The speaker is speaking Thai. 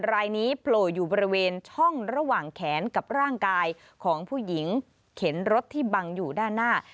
รายนี้โผล่อยู่บริเวณช่องระหว่างแขนกับร่างกายของผู้หญิงเข็นรถที่บังอยู่ด้านหน้า